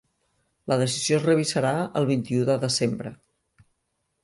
La decisió es revisarà el vint-i-u de desembre.